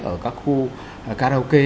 ở các khu karaoke